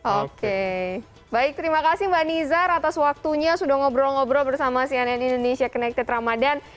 oke baik terima kasih mbak nizar atas waktunya sudah ngobrol ngobrol bersama cnn indonesia connected ramadan